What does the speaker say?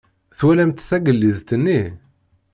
Twalamt tagellidt-nni?